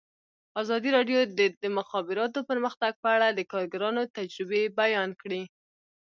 ازادي راډیو د د مخابراتو پرمختګ په اړه د کارګرانو تجربې بیان کړي.